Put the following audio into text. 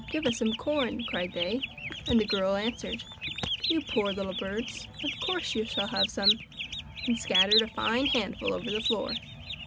give us some corn!' cried they; and the girl answered: 'You poor little birds, of course you shall have some!' and scattered a fine handful over the floor.